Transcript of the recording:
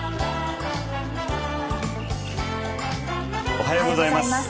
おはようございます。